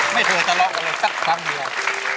ไม่เธอจะรักกันเลยสักครั้งเดี๋ยว